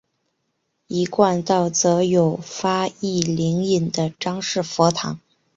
一贯道则有发一灵隐的张氏佛堂。